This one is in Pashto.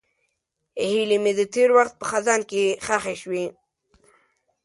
هیلې مې د تېر وخت په خزان کې ښخې شوې.